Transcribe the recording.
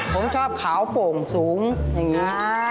ผมชอบขาวโป่งสูงอย่างนี้